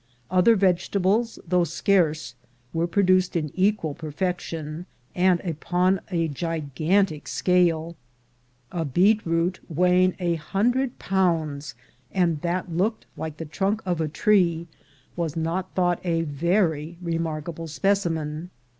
Other vegetables, though scarce, were pro duced in equal perfection, and upon a gigantic scale. A beetroot weighing a hundred pounds, and that looked like the trunk of a tree, was not thought a very remarkable specimen.